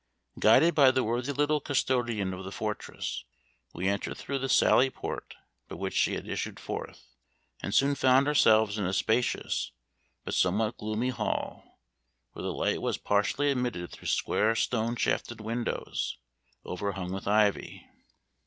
Guided by the worthy little custodian of the fortress, we entered through the sally port by which she had issued forth, and soon found ourselves in a spacious, but somewhat gloomy hall, where the light was partially admitted through square stone shafted windows, overhung with ivy.